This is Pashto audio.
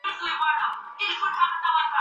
بوچانان او الیس خپل تعریفونه ټولني ته وړاندې کړل.